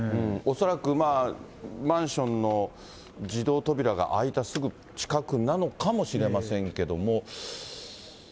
恐らく、マンションの自動扉が開いたすぐ近くなのかもしれませんけれども。